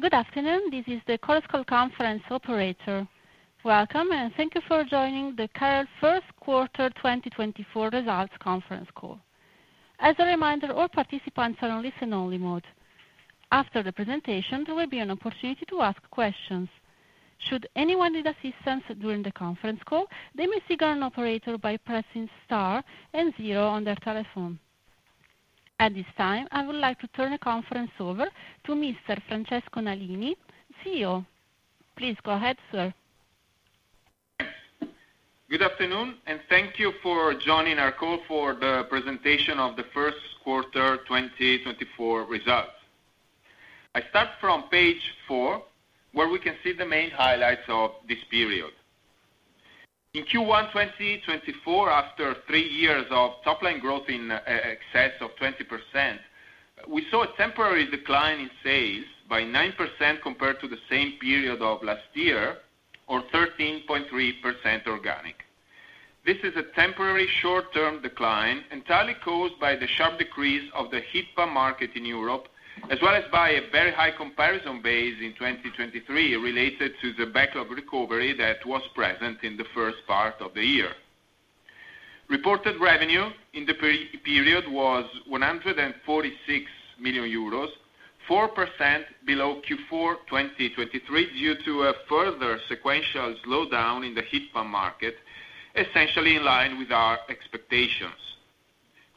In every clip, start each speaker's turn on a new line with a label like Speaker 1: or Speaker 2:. Speaker 1: Good afternoon. This is the conference call operator. Welcome, and thank you for joining the CAREL first quarter 2024 results conference call. As a reminder, all participants are in listen-only mode. After the presentation, there will be an opportunity to ask questions. Should anyone need assistance during the conference call, they may signal an operator by pressing star and zero on their telephone. At this time, I would like to turn the conference over to Mr. Francesco Nalini, CEO. Please go ahead, sir.
Speaker 2: Good afternoon, and thank you for joining our call for the presentation of the first quarter 2024 results. I start from page 4, where we can see the main highlights of this period. In Q1 2024, after three years of top line growth in excess of 20%, we saw a temporary decline in sales by 9% compared to the same period of last year, or 13.3% organic. This is a temporary short-term decline, entirely caused by the sharp decrease of the heat pump market in Europe, as well as by a very high comparison base in 2023, related to the backlog recovery that was present in the first part of the year. Reported revenue in the period was 146 million euros, 4% below Q4 2023, due to a further sequential slowdown in the heat pump market, essentially in line with our expectations.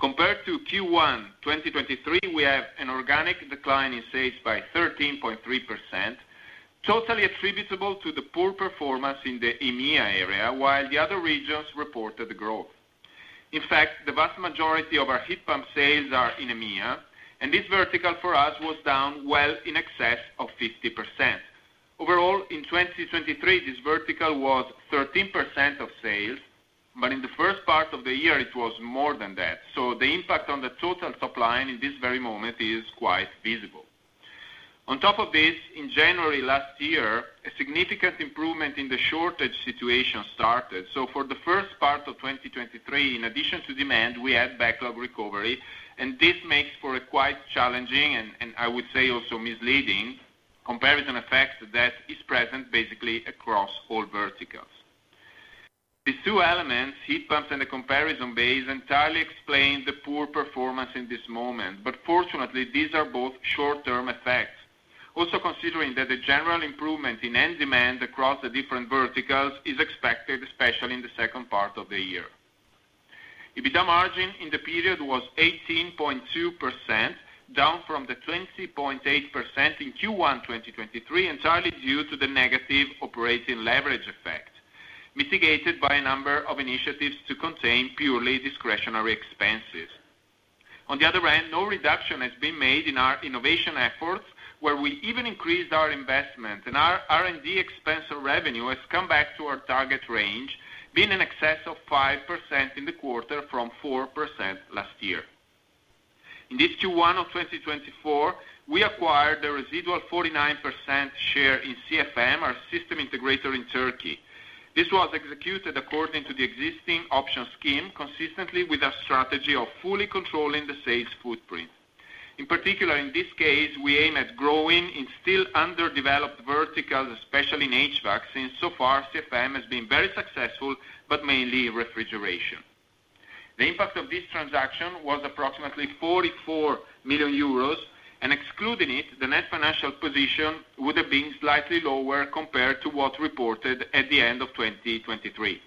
Speaker 2: Compared to Q1 2023, we have an organic decline in sales by 13.3%, totally attributable to the poor performance in the EMEA area, while the other regions reported the growth. In fact, the vast majority of our heat pump sales are in EMEA, and this vertical for us was down well in excess of 50%. Overall, in 2023, this vertical was 13% of sales, but in the first part of the year it was more than that. So the impact on the total top line in this very moment is quite visible. On top of this, in January last year, a significant improvement in the shortage situation started. So for the first part of 2023, in addition to demand, we had backlog recovery, and this makes for a quite challenging, and I would say also misleading, comparison effect that is present basically across all verticals. These two elements, heat pumps and the comparison base, entirely explain the poor performance in this moment, but fortunately, these are both short-term effects. Also, considering that the general improvement in end demand across the different verticals is expected, especially in the second part of the year. EBITDA margin in the period was 18.2%, down from the 20.8% in Q1 2023, entirely due to the negative operating leverage effect, mitigated by a number of initiatives to contain purely discretionary expenses. On the other hand, no reduction has been made in our innovation efforts, where we even increased our investment, and our R&D expense of revenue has come back to our target range, being in excess of 5% in the quarter from 4% last year. In this Q1 of 2024, we acquired the residual 49% share in CFM, our system integrator in Turkey. This was executed according to the existing option scheme, consistently with our strategy of fully controlling the sales footprint. In particular, in this case, we aim at growing in still underdeveloped verticals, especially in HVAC, since so far CFM has been very successful, but mainly in refrigeration. The impact of this transaction was approximately 44 million euros, and excluding it, the net financial position would have been slightly lower compared to what's reported at the end of 2023.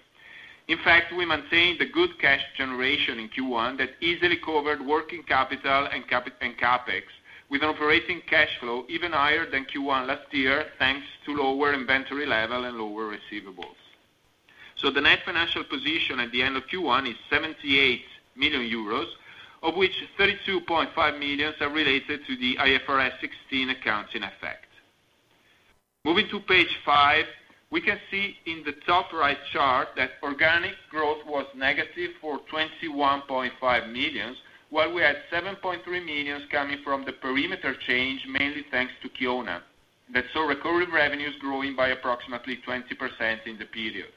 Speaker 2: In fact, we maintained the good cash generation in Q1 that easily covered working capital and CapEx, with an operating cash flow even higher than Q1 last year, thanks to lower inventory level and lower receivables. So the net financial position at the end of Q1 is 78 million euros, of which 32.5 million are related to the IFRS 16 accounting effect. Moving to page five, we can see in the top right chart that organic growth was negative for 21.5 million, while we had 7.3 million coming from the perimeter change, mainly thanks to Kiona. That saw recurring revenues growing by approximately 20% in the period.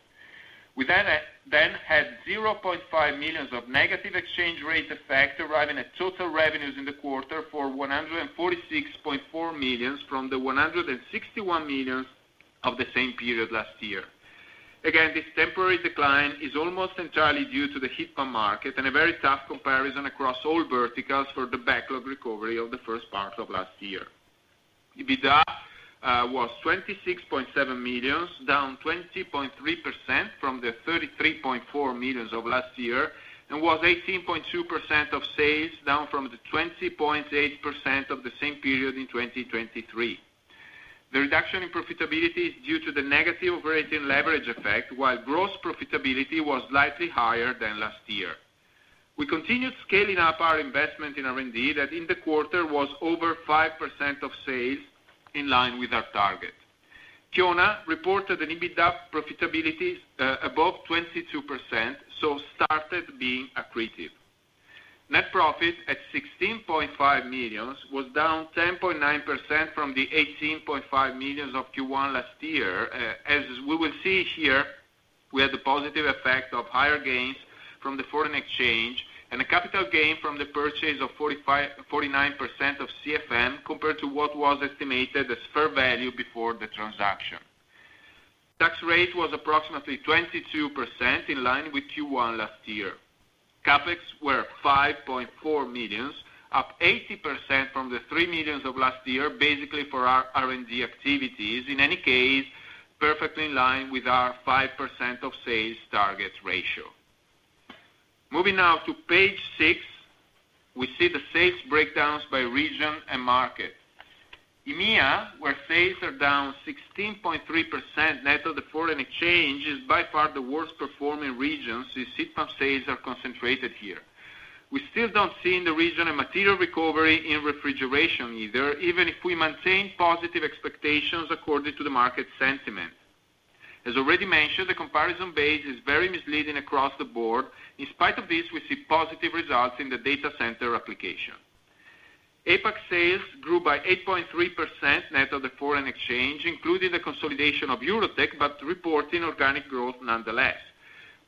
Speaker 2: We then had 0.5 million of negative exchange rate effect, arriving at total revenues in the quarter for 146.4 million, from the 161 million of the same period last year. Again, this temporary decline is almost entirely due to the heat pump market and a very tough comparison across all verticals for the backlog recovery of the first part of last year. EBITDA was 26.7 million, down 20.3% from the 33.4 million of last year, and was 18.2% of sales, down from the 20.8% of the same period in 2023. The reduction in profitability is due to the negative operating leverage effect, while gross profitability was slightly higher than last year. We continued scaling up our investment in R&D, that in the quarter was over 5% of sales, in line with our target. Kiona reported an EBITDA profitability above 22%, so started being accretive. Net profit, at 16.5 million, was down 10.9% from the 18.5 million of Q1 last year, as we will see here. We had the positive effect of higher gains from the foreign exchange, and a capital gain from the purchase of 45-49% of CFM, compared to what was estimated as fair value before the transaction. Tax rate was approximately 22%, in line with Q1 last year. CapEx were 5.4 million, up 80% from the 3 million of last year, basically for our R&D activities. In any case, perfectly in line with our 5% of sales target ratio. Moving now to page 6, we see the sales breakdowns by region and market. EMEA, where sales are down 16.3% net of the foreign exchange, is by far the worst performing region, since heat pump sales are concentrated here. We still don't see in the region a material recovery in refrigeration either, even if we maintain positive expectations according to the market sentiment. As already mentioned, the comparison base is very misleading across the board. In spite of this, we see positive results in the data center application. APAC sales grew by 8.3% net of the foreign exchange, including the consolidation of Eurotec, but reporting organic growth nonetheless.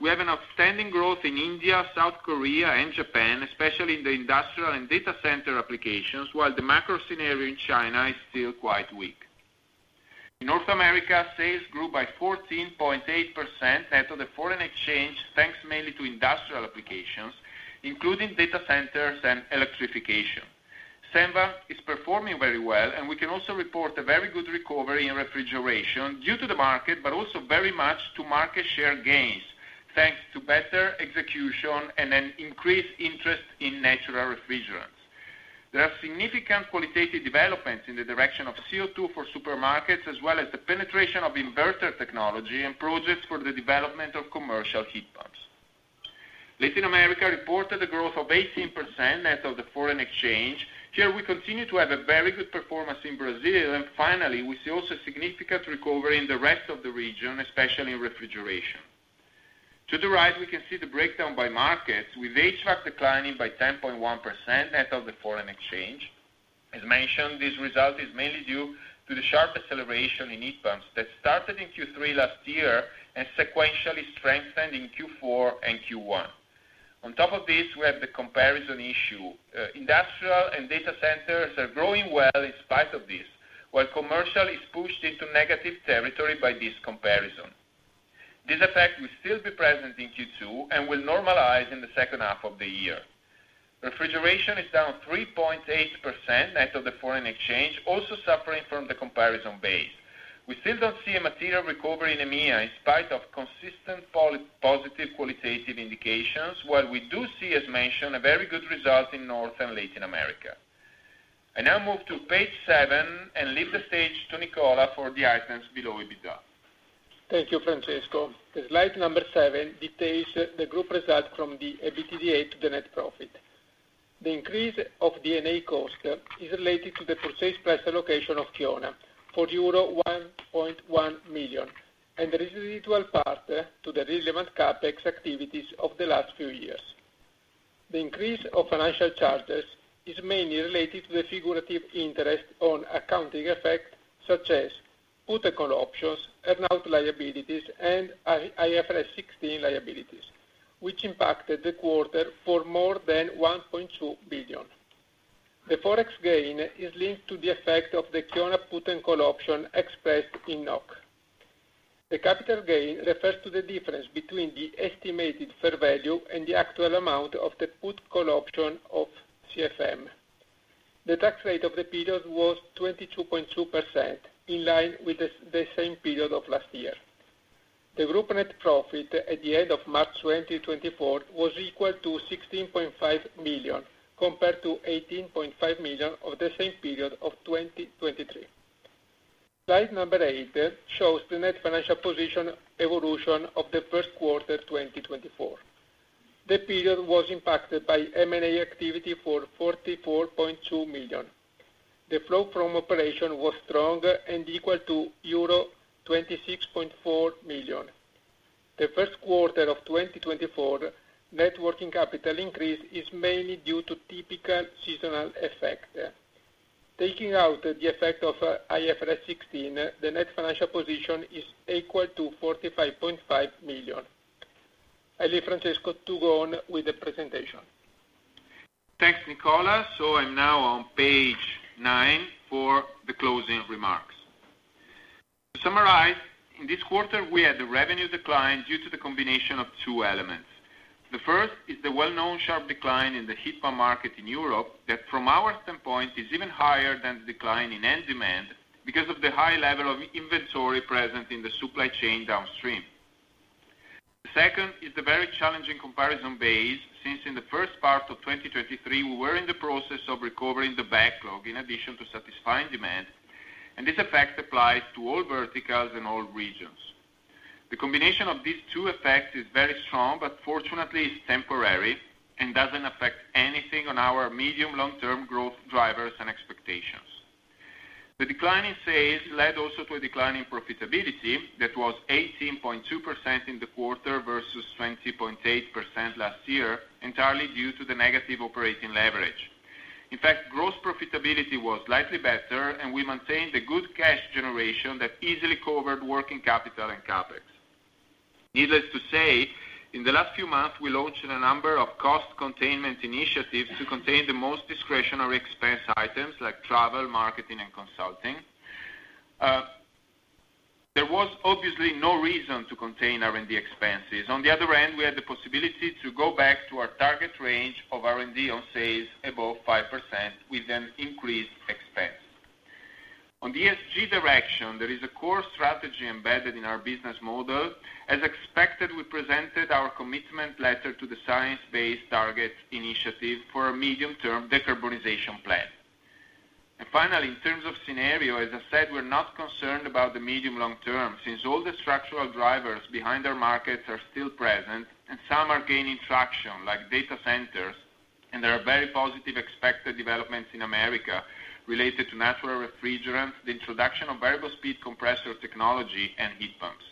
Speaker 2: We have an outstanding growth in India, South Korea, and Japan, especially in the industrial and data center applications, while the macro scenario in China is still quite weak. In North America, sales grew by 14.8% net of the foreign exchange, thanks mainly to industrial applications, including data centers and electrification. Senva is performing very well, and we can also report a very good recovery in refrigeration due to the market, but also very much to market share gains, thanks to better execution and an increased interest in natural refrigerants. There are significant qualitative developments in the direction of CO2 for supermarkets, as well as the penetration of inverter technology and progress for the development of commercial heat pumps. Latin America reported a growth of 18% net of the foreign exchange. Here, we continue to have a very good performance in Brazil, and finally, we see also significant recovery in the rest of the region, especially in refrigeration. To the right, we can see the breakdown by markets, with HVAC declining by 10.1% net of the foreign exchange. As mentioned, this result is mainly due to the sharp acceleration in heat pumps that started in Q3 last year and sequentially strengthened in Q4 and Q1. On top of this, we have the comparison issue. Industrial and data centers are growing well in spite of this, while commercial is pushed into negative territory by this comparison. This effect will still be present in Q2 and will normalize in the second half of the year. Refrigeration is down 3.8% net of the foreign exchange, also suffering from the comparison base. We still don't see a material recovery in EMEA, in spite of consistent positive qualitative indications, while we do see, as mentioned, a very good result in North and Latin America. I now move to page 7 and leave the stage to Nicola for the items below EBITDA.
Speaker 3: Thank you, Francesco. The slide number 7 details the group result from the EBITDA to the net profit. The increase of D&A cost is related to the purchase price allocation of Kiona for euro 1.1 million, and the residual part to the relevant CapEx activities of the last few years. The increase of financial charges is mainly related to the figurative interest on accounting effect, such as put and call options, earnout liabilities, and IFRS 16 liabilities, which impacted the quarter for more than 1.2 billion. The Forex gain is linked to the effect of the Kiona put and call option expressed in NOK. The capital gain refers to the difference between the estimated fair value and the actual amount of the put call option of CFM. The tax rate of the period was 22.2%, in line with the same period of last year. The group net profit at the end of March 2024 was equal to 16.5 million, compared to 18.5 million of the same period of 2023. Slide number 8 shows the net financial position evolution of the first quarter 2024. The period was impacted by M&A activity for 44.2 million. The flow from operation was strong and equal to euro 26.4 million. The first quarter of 2024 net working capital increase is mainly due to typical seasonal effect. Taking out the effect of IFRS 16, the net financial position is equal to 45.5 million. I leave Francesco to go on with the presentation.
Speaker 2: Thanks, Nicola. So I'm now on page nine for the closing remarks. To summarize, in this quarter, we had a revenue decline due to the combination of two elements. The first is the well-known sharp decline in the heat pump market in Europe, that, from our standpoint, is even higher than the decline in end demand, because of the high level of inventory present in the supply chain downstream. The second is the very challenging comparison base, since in the first part of 2023, we were in the process of recovering the backlog, in addition to satisfying demand, and this effect applies to all verticals and all regions. The combination of these two effects is very strong, but fortunately, it's temporary, and doesn't affect anything on our medium, long-term growth drivers and expectations. The decline in sales led also to a decline in profitability that was 18.2% in the quarter versus 20.8% last year, entirely due to the negative operating leverage. In fact, gross profitability was slightly better, and we maintained a good cash generation that easily covered working capital and CapEx. Needless to say, in the last few months, we launched a number of cost containment initiatives to contain the most discretionary expense items like travel, marketing, and consulting. There was obviously no reason to contain R&D expenses. On the other hand, we had the possibility to go back to our target range of R&D on sales above 5%, with an increased expense. On the ESG direction, there is a core strategy embedded in our business model. As expected, we presented our commitment letter to the Science Based Targets initiative for a medium-term decarbonization plan. And finally, in terms of scenario, as I said, we're not concerned about the medium long term, since all the structural drivers behind our markets are still present and some are gaining traction, like data centers, and there are very positive expected developments in America related to natural refrigerants, the introduction of variable speed compressor technology, and heat pumps.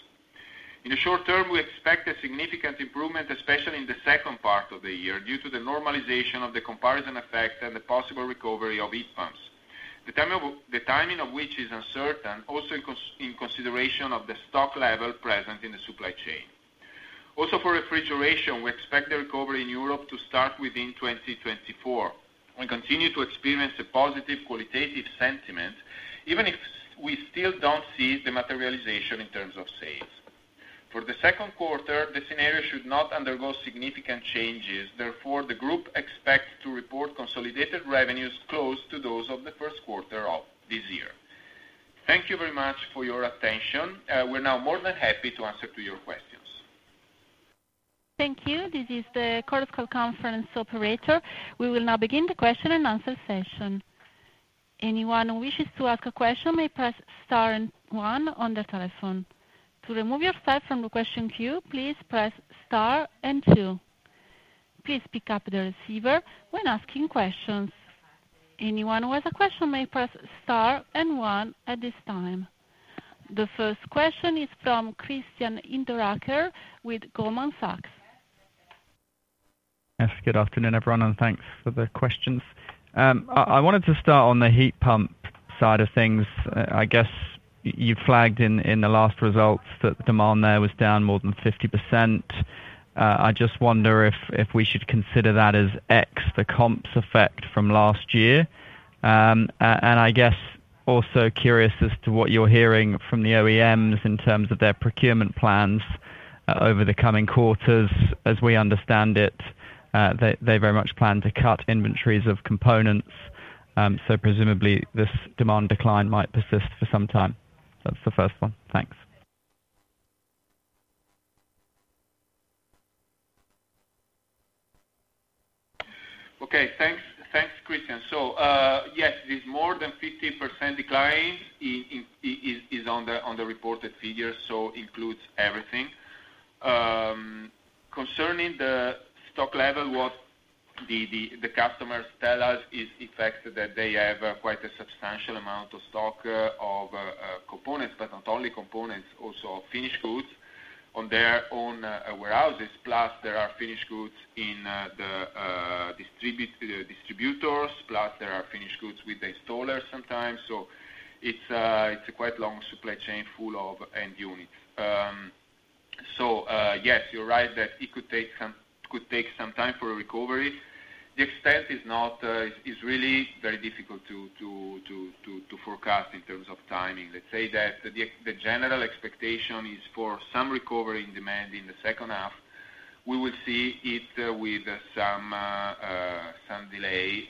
Speaker 2: In the short term, we expect a significant improvement, especially in the second part of the year, due to the normalization of the comparison effect and the possible recovery of heat pumps. The timing of which is uncertain, also in consideration of the stock level present in the supply chain. Also, for refrigeration, we expect the recovery in Europe to start within 2024. We continue to experience a positive qualitative sentiment, even if we still don't see the materialization in terms of sales. For the second quarter, the scenario should not undergo significant changes. Therefore, the group expects to report consolidated revenues close to those of the first quarter of this year. Thank you very much for your attention. We're now more than happy to answer to your questions.
Speaker 1: Thank you. This is the conference operator. We will now begin the question and answer session. Anyone who wishes to ask a question may press star and one on their telephone. To remove yourself from the question queue, please press star and two. Please pick up the receiver when asking questions. Anyone who has a question may press star and one at this time. The first question is from Christian Hinderaker with Goldman Sachs.
Speaker 4: Yes, good afternoon, everyone, and thanks for the questions. I wanted to start on the heat pump side of things. I guess you flagged in the last results that demand there was down more than 50%. I just wonder if we should consider that as X, the comps effect from last year. And I guess, also curious as to what you're hearing from the OEMs in terms of their procurement plans over the coming quarters. As we understand it, they very much plan to cut inventories of components, so presumably this demand decline might persist for some time. So that's the first one. Thanks.
Speaker 2: Okay. Thanks. Thanks, Christian. So, yes, this more than 50% decline is on the reported figures, so includes everything. Concerning the stock level, what the customers tell us is, in fact, that they have quite a substantial amount of stock of components, but not only components, also finished goods on their own warehouses, plus there are finished goods in the distributors, plus there are finished goods with the installers sometimes. So it's a quite long supply chain full of end units. So, yes, you're right, that it could take some time for a recovery. The extent is not really very difficult to forecast in terms of timing. Let's say that the general expectation is for some recovery in demand in the second half. We will see it with some delay,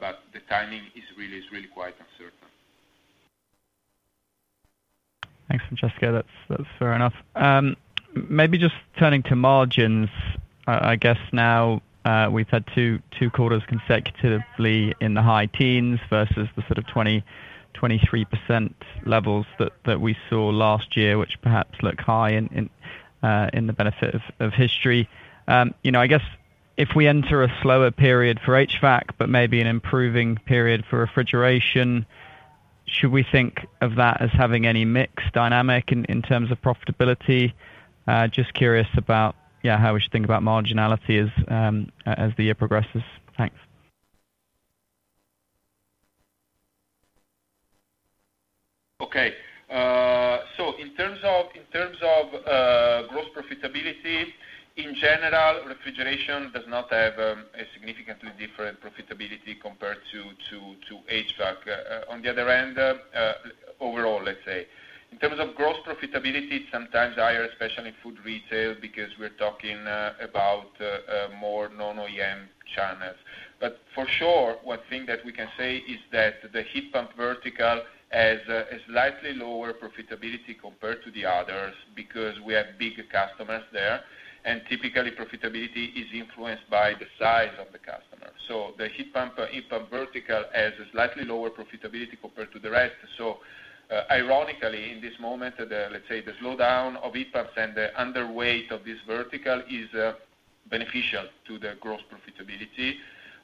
Speaker 2: but the timing is really quite uncertain.
Speaker 4: Thanks, Francesco. That's fair enough. Maybe just turning to margins. I guess now we've had two quarters consecutively in the high teens versus the sort of 20-23% levels that we saw last year, which perhaps look high in the benefit of history. You know, I guess if we enter a slower period for HVAC, but maybe an improving period for refrigeration, should we think of that as having any mix dynamic in terms of profitability? Just curious about yeah, how we should think about marginality as the year progresses. Thanks.
Speaker 2: Okay, so in terms of gross profitability, in general, refrigeration does not have a significantly different profitability compared to HVAC. On the other hand, overall, let's say. In terms of gross profitability, sometimes higher, especially in food retail, because we're talking about more non-OEM channels. But for sure, one thing that we can say is that the heat pump vertical has a slightly lower profitability compared to the others, because we have big customers there, and typically, profitability is influenced by the size of the customer. So the heat pump vertical has a slightly lower profitability compared to the rest. So, ironically, in this moment, the, let's say, the slowdown of heat pumps and the underweight of this vertical is beneficial to the gross profitability.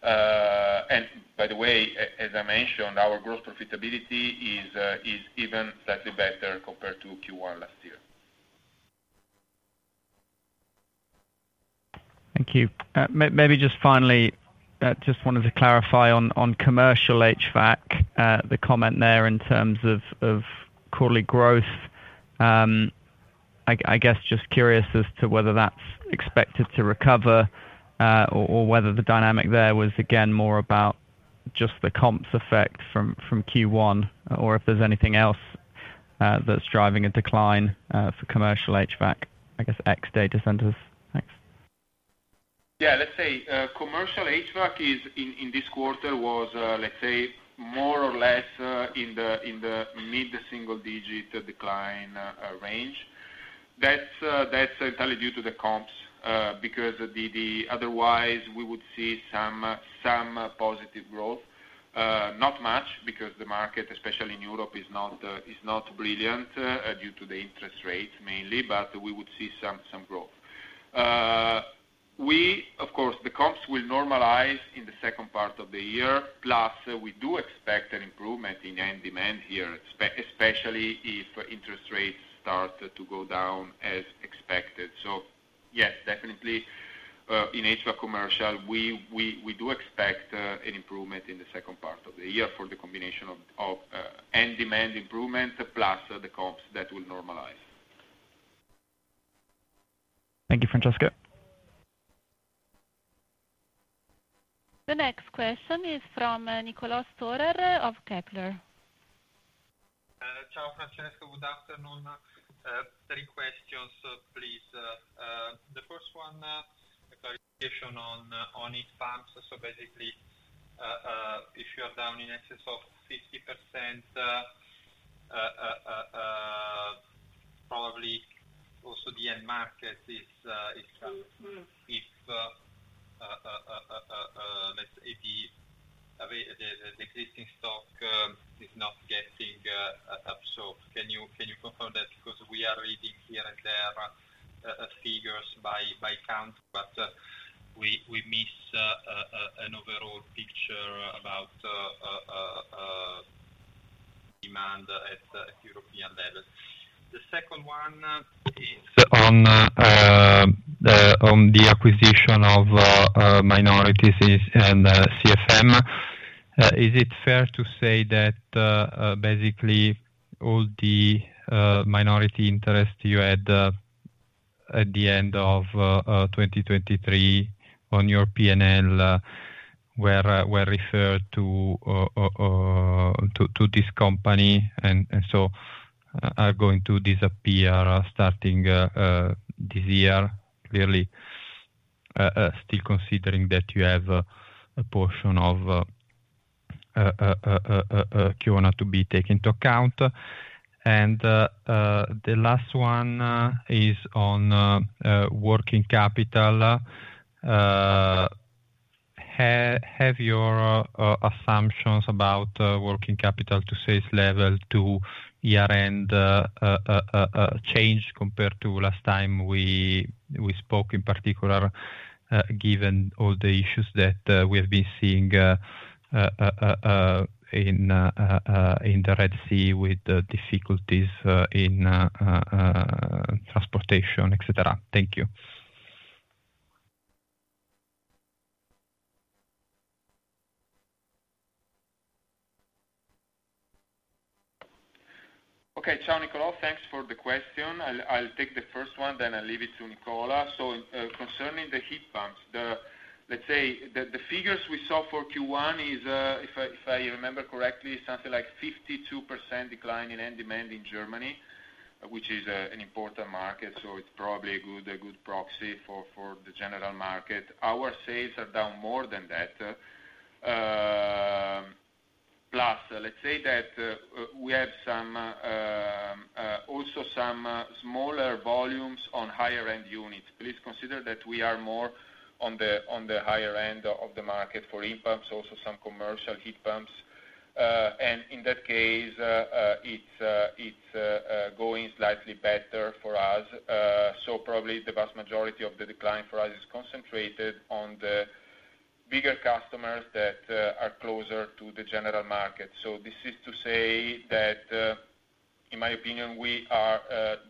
Speaker 2: And by the way, as I mentioned, our gross profitability is even slightly better compared to Q1 last year....
Speaker 4: Thank you. Maybe just finally, just wanted to clarify on commercial HVAC, the comment there in terms of quarterly growth. I guess just curious as to whether that's expected to recover, or whether the dynamic there was, again, more about just the comps effect from Q1, or if there's anything else that's driving a decline for commercial HVAC, I guess, ex-data centers. Thanks.
Speaker 2: Yeah, let's say, commercial HVAC is, in this quarter was, let's say, more or less, in the mid-single digit decline range. That's entirely due to the comps, because otherwise, we would see some positive growth. Not much, because the market, especially in Europe, is not brilliant, due to the interest rates mainly, but we would see some growth. Of course, the comps will normalize in the second part of the year, plus we do expect an improvement in end demand here, especially if interest rates start to go down as expected. So yes, definitely, in HVAC commercial, we do expect an improvement in the second part of the year for the combination of end demand improvement, plus the comps that will normalize.
Speaker 4: Thank you, Francesco.
Speaker 1: The next question is from Niccolo Storer of Kepler.
Speaker 5: Ciao, Francesco, good afternoon. Three questions, please. The first one, a clarification on heat pumps. So basically, if you are down in excess of 50%, probably also the end market is, let's say, the existing stock is not getting absorbed. Can you confirm that? Because we are reading here and there figures by count, but we miss an overall picture about demand at European level. The second one is on the acquisition of minorities in CFM. Is it fair to say that basically all the minority interest you had at the end of 2023 on your P&L were referred to this company, and so are going to disappear starting this year? Clearly, still considering that you have a portion of Q1 to be taken into account. The last one is on working capital. Have your assumptions about working capital to sales level to year-end changed compared to last time we spoke, in particular, given all the issues that we have been seeing in the Red Sea with the difficulties in transportation, et cetera? Thank you.
Speaker 2: Okay, Ciao, Niccolo. Thanks for the question. I'll take the first one, then I'll leave it to Nicola. So, concerning the heat pumps, let's say the figures we saw for Q1 is, if I remember correctly, something like 52% decline in end demand in Germany, which is an important market, so it's probably a good proxy for the general market. Our sales are down more than that. Plus, let's say that we have some also some smaller volumes on higher-end units. Please consider that we are more on the higher end of the market for heat pumps, also some commercial heat pumps. And in that case, it's going slightly better for us. Probably the vast majority of the decline for us is concentrated on the bigger customers that are closer to the general market. This is to say that, in my opinion, we are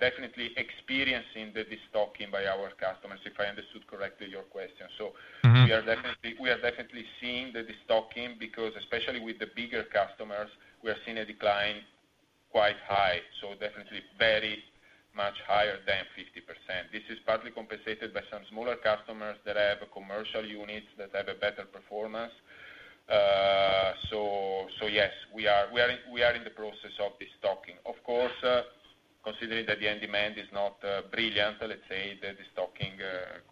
Speaker 2: definitely experiencing the destocking by our customers, if I understood correctly your question.
Speaker 5: Mm-hmm.
Speaker 6: So we are definitely, we are definitely seeing the destocking, because especially with the bigger customers, we are seeing a decline quite high, so definitely very much higher than 50%. This is partly compensated by some smaller customers that have commercial units that have a better performance. So yes, we are in the process of destocking. Of course, considering that the end demand is not brilliant, let's say, the destocking could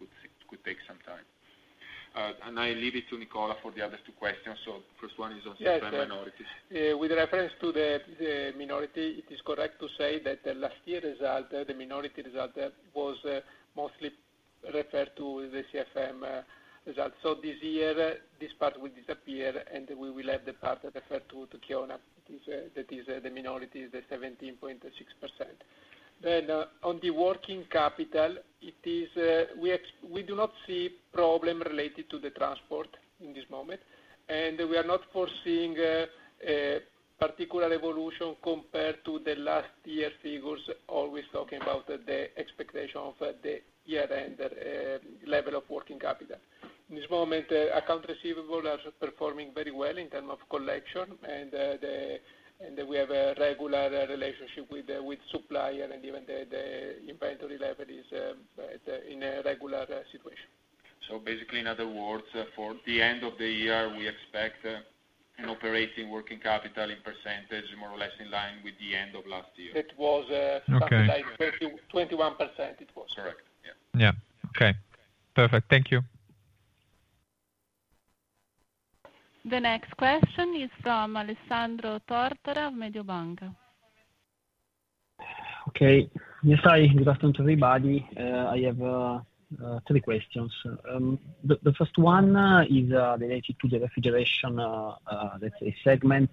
Speaker 6: take some time. And I leave it to Nicola for the other two questions. So first one is on CFM minorities.
Speaker 3: Yeah, with reference to the minority, it is correct to say that the last year result, the minority result, was mostly referred to the CFM result. So this year, this part will disappear, and we will have the part referred to Q1, that is, the minority, the 17.6%. Then, on the working capital, it is, we do not see problem related to the transport in this moment, and we are not foreseeing a particular evolution compared to the last year figures, always talking about the expectation of the year-end level of working capital. In this moment, account receivable are performing very well in term of collection, and we have a regular relationship with the supplier, and even the inventory level is in a regular situation.
Speaker 2: So basically, in other words, for the end of the year, we expect an operating working capital in percentage, more or less in line with the end of last year?
Speaker 3: It was.
Speaker 5: Okay.
Speaker 3: Something like 20-21% it was.
Speaker 2: Correct, yeah.
Speaker 5: Yeah. Okay, perfect. Thank you.
Speaker 1: The next question is from Alessandro Tortora, Mediobanca.
Speaker 7: Okay. Yes, hi. Good afternoon, everybody. I have three questions. The first one is related to the refrigeration, let's say segment.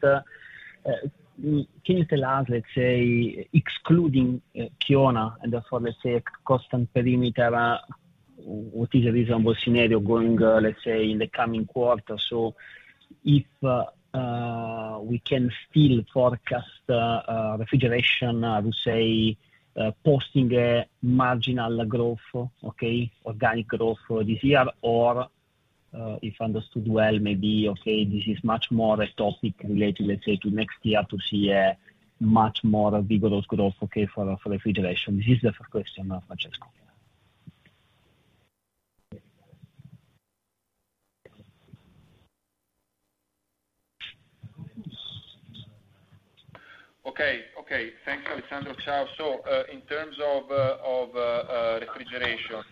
Speaker 7: Can you tell us, let's say, excluding Kiona, and therefore, let's say, constant perimeter, what is a reasonable scenario going, let's say, in the coming quarter? So if we can still forecast refrigeration to, say, posting a marginal growth, okay, organic growth for this year? Or, if understood well, maybe, okay, this is much more a topic related, let's say, to next year, to see a much more vigorous growth, okay, for refrigeration. This is the first question, Francesco.
Speaker 2: Okay, okay. Thanks, Alessandro. Ciao. So, in terms of of refrigeration,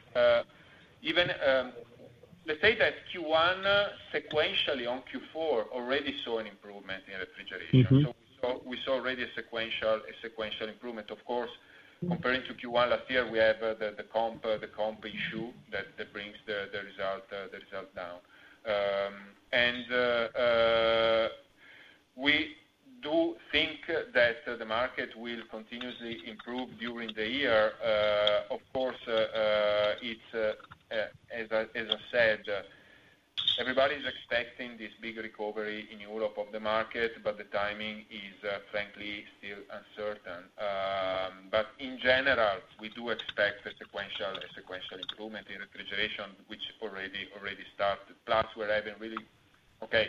Speaker 2: even... Let's say that Q1 sequentially on Q4 already saw an improvement in refrigeration.
Speaker 7: Mm-hmm.
Speaker 8: So we saw already a sequential improvement. Of course, comparing to Q1 last year, we have the comp issue that brings the result down. And we do think that the market will continuously improve during the year. Of course, it's as I said, everybody's expecting this big recovery in Europe of the market, but the timing is frankly still uncertain. But in general, we do expect a sequential improvement in refrigeration, which already started. Plus, we're having really... Okay,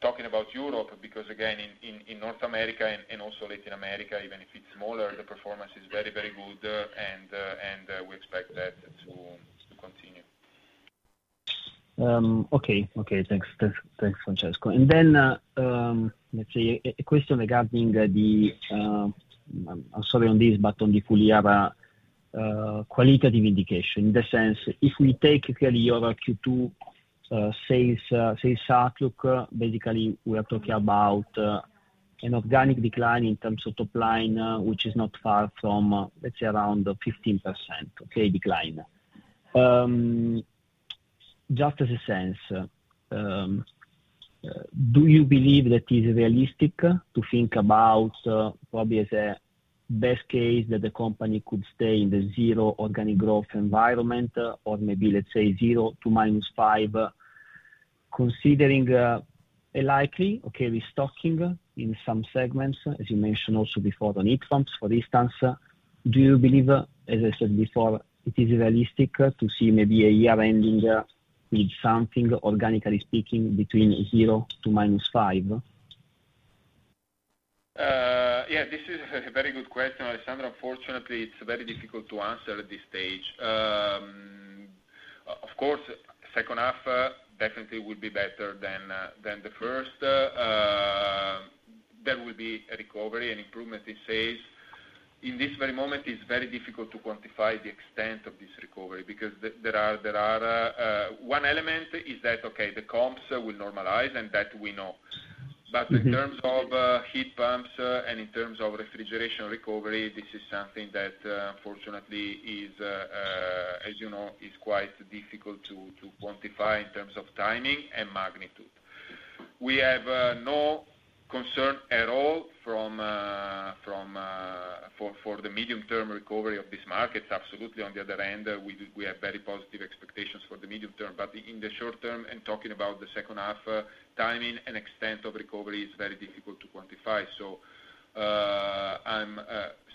Speaker 8: talking about Europe, because again, in North America and also Latin America, even if it's smaller, the performance is very good, and we expect that to continue.
Speaker 7: Okay. Okay, thanks. Thanks, Francesco. And then, let's say, a question regarding the, I'm sorry on this, but on the full year qualitative indication. In the sense, if we take clearly your Q2 sales sales outlook, basically, we are talking about an organic decline in terms of top line, which is not far from, let's say, around 15%, okay, decline. Just as a sense, do you believe that it's realistic to think about, probably as a best case, that the company could stay in the zero organic growth environment, or maybe, let's say, 0% to -5%, considering a likely, okay, restocking in some segments, as you mentioned also before, on heat pumps, for instance. Do you believe, as I said before, it is realistic to see maybe a year ending with something organically speaking between 0 to -5?
Speaker 2: Yeah, this is a very good question, Alessandro. Unfortunately, it's very difficult to answer at this stage. Of course, second half definitely will be better than the first. There will be a recovery and improvement in sales. In this very moment, it's very difficult to quantify the extent of this recovery, because there are... One element is that, okay, the comps will normalize, and that we know.
Speaker 7: Mm-hmm.
Speaker 2: But in terms of heat pumps and in terms of refrigeration recovery, this is something that, unfortunately, as you know, is quite difficult to quantify in terms of timing and magnitude. We have no concern at all for the medium-term recovery of this market. Absolutely, on the other hand, we have very positive expectations for the medium term. But in the short term, and talking about the second half, timing and extent of recovery is very difficult to quantify. So,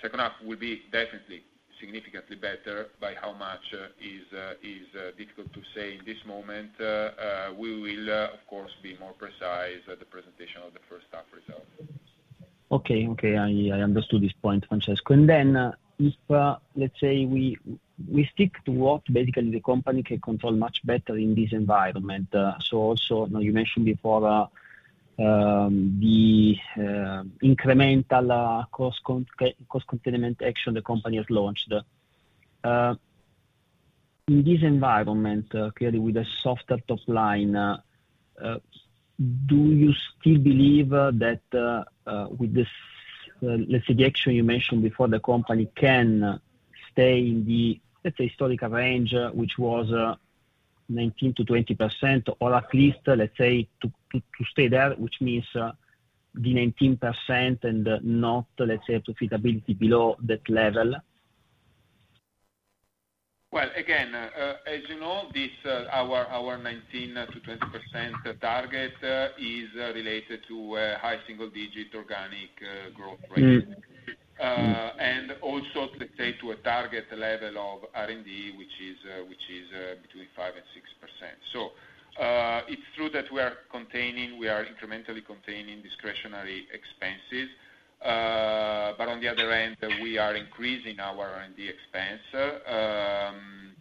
Speaker 2: second half will be definitely significantly better. By how much is difficult to say in this moment. We will, of course, be more precise at the presentation of the first half results.
Speaker 7: Okay, okay. I, I understood this point, Francesco. And then, if, let's say, we, we stick to what basically the company can control much better in this environment. So also, you know, you mentioned before, the incremental cost containment action the company has launched. In this environment, clearly with a softer top line, do you still believe, that, with this, let's say, the action you mentioned before, the company can stay in the, let's say, historical range, which was 19%-20%? Or at least, let's say, to stay there, which means, the 19% and not, let's say, a profitability below that level?
Speaker 8: Well, again, as you know, our 19%-20% target is related to high single digit organic growth rate.
Speaker 7: Mm-hmm. ...
Speaker 2: and also let's say, to a target level of R&D, which is, between 5%-6%. So, it's true that we are containing, we are incrementally containing discretionary expenses. But on the other hand, we are increasing our R&D expense.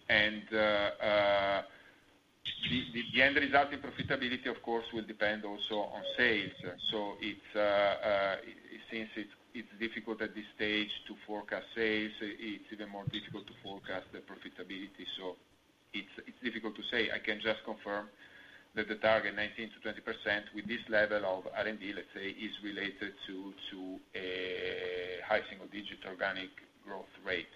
Speaker 2: And, the end result in profitability, of course, will depend also on sales. So it's, since it's, it's difficult at this stage to forecast sales, it's even more difficult to forecast the profitability. So it's, it's difficult to say. I can just confirm that the target 19%-20% with this level of R&D, let's say, is related to, a high single digit organic growth rate.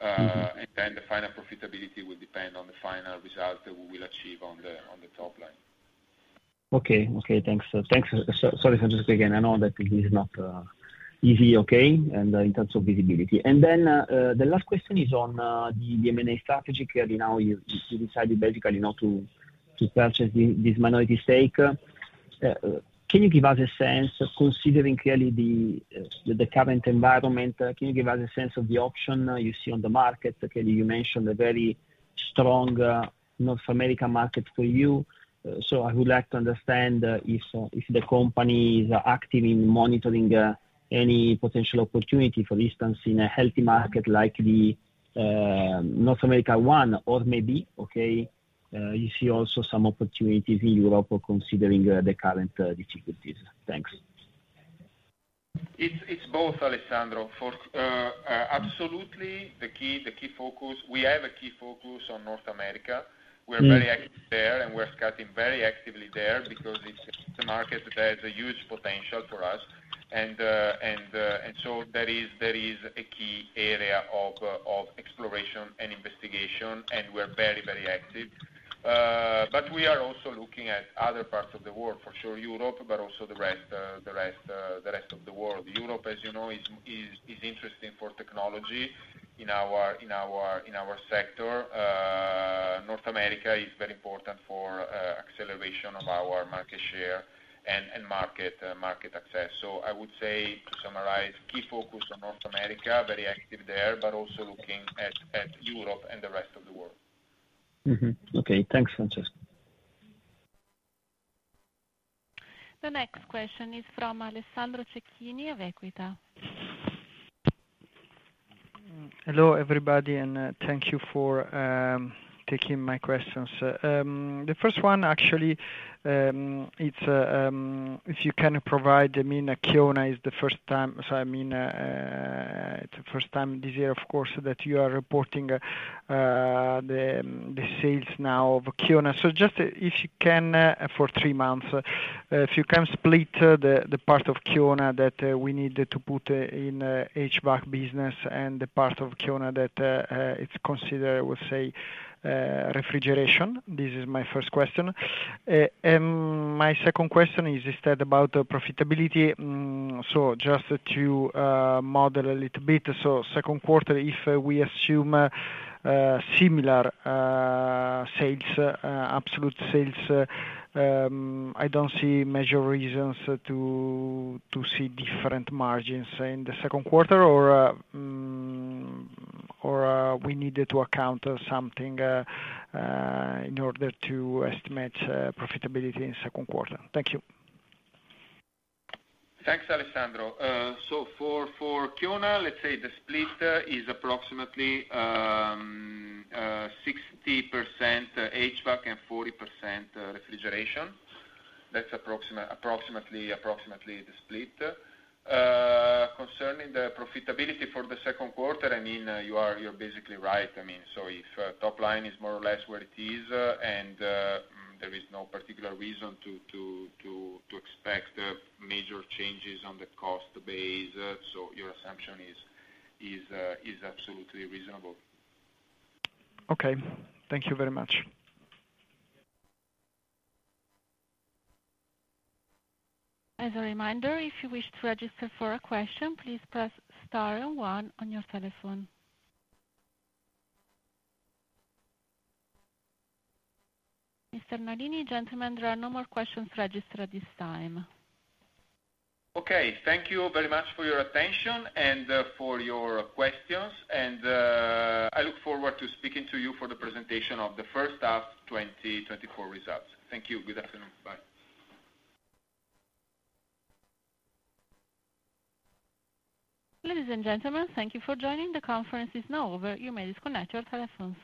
Speaker 2: And then the final profitability will depend on the final result that we will achieve on the top line.
Speaker 7: Okay. Okay, thanks. Thanks. So, sorry, Francesco, again, I know that it is not easy, okay, and in terms of visibility. And then, the last question is on the M&A strategy. Clearly, now, you decided basically not to purchase this minority stake. Can you give us a sense, considering clearly the current environment, can you give us a sense of the option you see on the market? Okay, you mentioned a very strong North American market for you. So I would like to understand if the company is active in monitoring any potential opportunity, for instance, in a healthy market like the North America one, or maybe, okay, you see also some opportunities in Europe or considering the current difficulties. Thanks.
Speaker 2: It's both, Alessandro. Absolutely, the key focus. We have a key focus on North America.
Speaker 7: Mm-hmm.
Speaker 2: We're very active there, and we're scouting very actively there because it's a market that has a huge potential for us. And so that is a key area of exploration and investigation, and we're very, very active. But we are also looking at other parts of the world, for sure, Europe, but also the rest of the world. Europe, as you know, is interesting for technology in our sector. North America is very important for acceleration of our market share and market access. So I would say, to summarize, key focus on North America, very active there, but also looking at Europe and the rest of the world.
Speaker 7: Mm-hmm. Okay. Thanks, Francesco.
Speaker 1: The next question is from Alessandro Cecchini of Equita.
Speaker 9: Hello, everybody, and thank you for taking my questions. The first one, actually, it's if you can provide, I mean, Kiona is the first time... So, I mean, it's the first time this year, of course, that you are reporting the sales now of Kiona. So just if you can, for three months, if you can split the part of Kiona that we need to put in HVAC business and the part of Kiona that it's considered, we'll say, refrigeration. This is my first question. My second question is instead about the profitability. So just to model a little bit. So second quarter, if we assume similar absolute sales, I don't see major reasons to see different margins in the second quarter or we needed to account something in order to estimate profitability in second quarter. Thank you.
Speaker 2: Thanks, Alessandro. So for Kiona, let's say the split is approximately 60% HVAC and 40% refrigeration. That's approximately the split. Concerning the profitability for the second quarter, I mean, you are, you're basically right. I mean, so if top line is more or less where it is, and there is no particular reason to expect major changes on the cost base, so your assumption is absolutely reasonable.
Speaker 9: Okay. Thank you very much.
Speaker 1: As a reminder, if you wish to register for a question, please press star one on your telephone. Mr. Nalini, gentlemen, there are no more questions registered at this time.
Speaker 2: Okay. Thank you very much for your attention and for your questions. I look forward to speaking to you for the presentation of the first half, 2024 results. Thank you. Good afternoon. Bye.
Speaker 1: Ladies and gentlemen, thank you for joining. The conference is now over. You may disconnect your telephones.